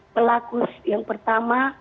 pelaku yang pertama